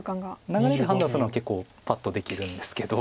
流れで判断するのは結構パッとできるんですけど。